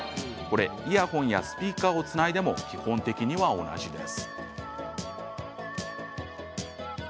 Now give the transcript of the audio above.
イヤホンやスピーカーをつないでも基本的には同じです。